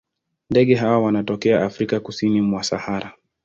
Ndege hawa wanatokea Afrika kusini mwa Sahara.